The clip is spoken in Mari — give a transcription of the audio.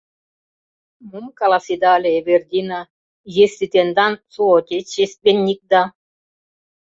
“Мом каласеда ыле, Эвердина, если тендан соотечественникда...”